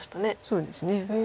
そうですね。